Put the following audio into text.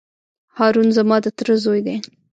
هارون زما د تره زوی دی.